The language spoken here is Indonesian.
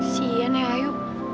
sian ya ayu